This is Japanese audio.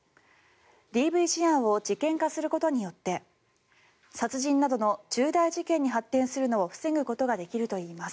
ＤＶ事案を事件化することによって殺人などの重大事件に発展することを防ぐことができるといいます。